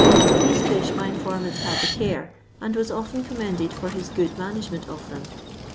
Of these fish my informant had the care, and was often com mended for his good management of them.